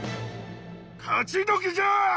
勝ちどきじゃ！